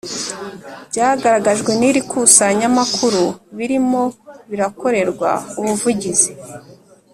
Byagaragajwe n iri kusanyamakuru birimo birakorerwa ubuvugizi